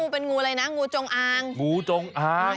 แล้วงูเป็นงูอะไรนะงูจงอ้าง